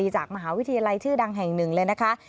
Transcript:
จากมหาวิทยาลัยชื่อดังแห่งหนึ่งเลยนะคะ